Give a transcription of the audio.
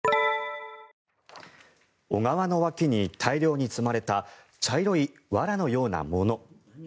小川の脇に大量に積まれた茶色いわらのようなもの。